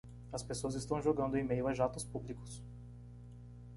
As pessoas estão jogando em meio a jatos públicos.